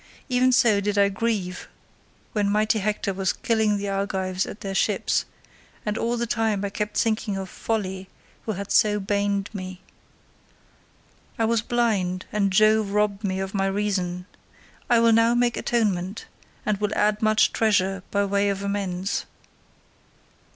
Even so did I grieve when mighty Hector was killing the Argives at their ships, and all the time I kept thinking of Folly who had so baned me. I was blind, and Jove robbed me of my reason; I will now make atonement, and will add much treasure by way of amends.